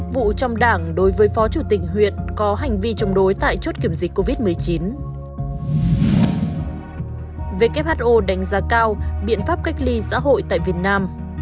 who đánh giá cao biện pháp cách ly xã hội tại việt nam